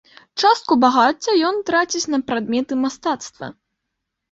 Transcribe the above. Частку багацця ён траціць на прадметы мастацтва.